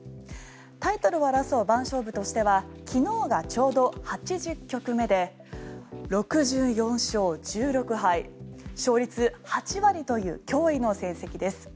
タイトルを争う番勝負としては昨日がちょうど８０局目で６４勝１６敗勝率８割という驚異の成績です。